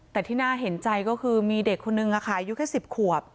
แต่ที่น่าเห็นใจก็คือมีเด็กคนนึงอายุแค่๑๐ขวบ